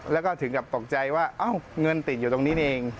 แล้วก็ถึงกับตกใจว่าเอ้าเงินติดอยู่ตรงนี้เอง